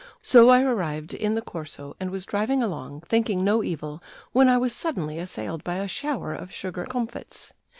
So I arrived in the Corso and was driving along, thinking no evil, when I was suddenly assailed by a shower of sugar comfits.